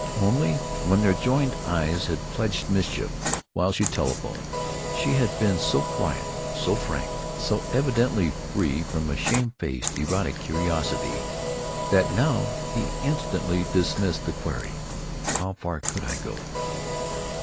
Only—when their joined eyes had pledged mischief while she telephoned, she had been so quiet, so frank, so evidently free from a shamefaced erotic curiosity, that now he instantly dismissed the query, "How far could I go?